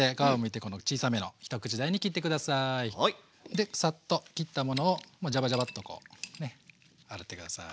でサッと切ったものをジャバジャバッと洗って下さい。